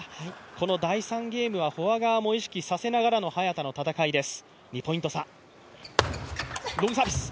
この第３ゲームはフォア側も意識させながらの早田の戦いです。